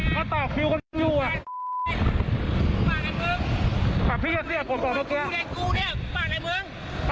อ๋อมันมาเสียบด้วยแล้วอ่ะ